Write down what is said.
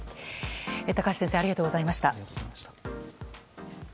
高橋先生ありがとうございました。